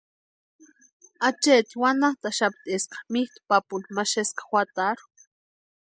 Acheeti wantantaxapti eska mitʼu papuni ma xespka juatarhu.